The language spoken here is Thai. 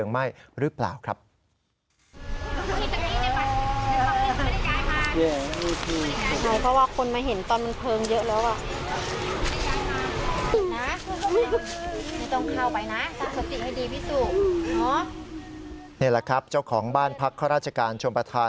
นี่แหละครับเจ้าของบ้านพักข้าราชการชมประธาน